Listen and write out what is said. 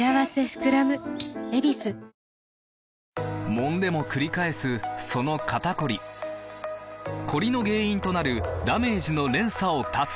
もんでもくり返すその肩こりコリの原因となるダメージの連鎖を断つ！